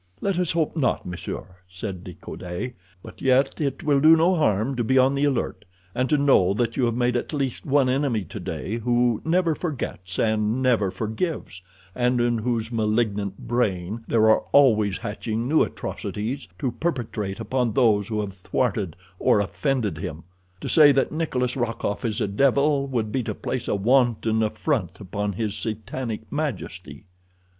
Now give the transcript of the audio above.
"Let us hope not, monsieur," said De Coude; "but yet it will do no harm to be on the alert, and to know that you have made at least one enemy today who never forgets and never forgives, and in whose malignant brain there are always hatching new atrocities to perpetrate upon those who have thwarted or offended him. To say that Nikolas Rokoff is a devil would be to place a wanton affront upon his satanic majesty."